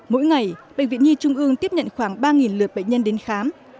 mỗi ngày bệnh viện nhi trung ương tiếp nhận khoảng ba lượt bệnh nhân đến khám